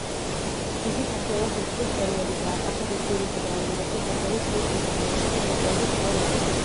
ჯიში საშუალო სიმწიფის პერიოდისაა, კახეთის ძირითად რაიონებში ყურძენი სრულ სიმწიფეში შედის სექტემბრის შუა რიცხვებში.